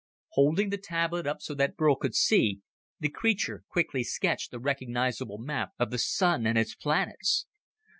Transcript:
Holding the tablet up so that Burl could see, the creature quickly sketched a recognizable map of the Sun and its planets!